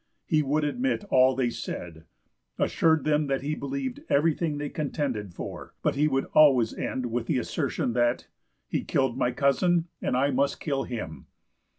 He would admit all they said, assured them that he believed everything they contended for, but he would always end with the assertion that, "He killed my cousin, and I must kill him."